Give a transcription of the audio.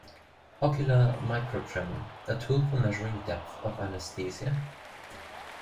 Ocular microtremor: a tool for measuring depth of anaesthesia?